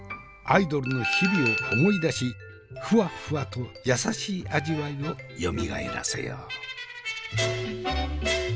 アイドルの日々を思い出しフワフワと優しい味わいをよみがえらせよう。